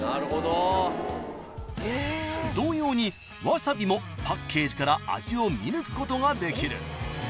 ［同様にわさびもパッケージから味を見抜くことができる］